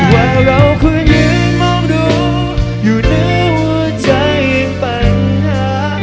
ว่าเราเคยยืนมองดูอยู่ในหัวใจปัญหา